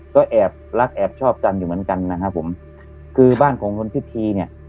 ก็แอบรักแอบชอบกันอยู่เหมือนกันนะครับผมคือบ้านของคนพิธีเนี่ย